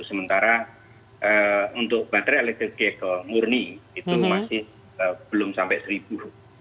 sementara untuk baterai elektrik yek murni itu masih belum sampai seribu